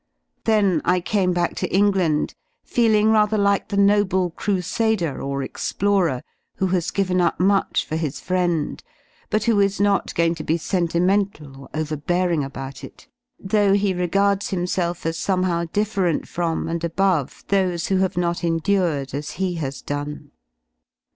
^ Jif Then I came back to England feeling rather like the noble ^■^ crusader or explorer who has given up much for his friend but who is not going to be sentimental or overbearing about 56 / it, though he regards himself as somehow different from X and above those who have not endured as he has done.